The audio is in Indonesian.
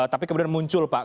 tapi kemudian muncul pak